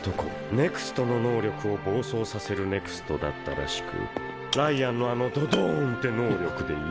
ＮＥＸＴの能力を暴走させるＮＥＸＴだったらしくライアンのあのドドーンって能力でいろいろ倒しちゃって。